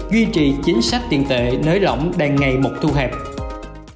duy trì chính sách tiền tệ nới lỏng đàn ngày một thu hàng